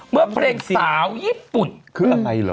เมื่อเพลงสาวญี่ปุ่น